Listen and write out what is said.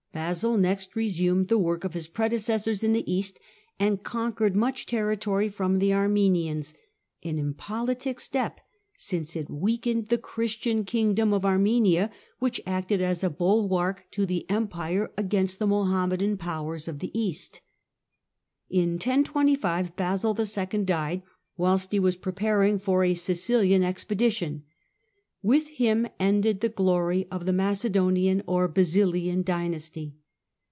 Basil next re sumed the work of his predecessors in the East, and conquered much territory from the Armenians, an im politic step, since it weakened the Christian kingdom of Armenia, which acted as a bulwark to the Empire against the Mohammedan powers of the East. In 1025 Basil II. died, whilst he was preparing for a Sicilian expedition. With him ended the glory of the Macedonian or Basilian dynasty.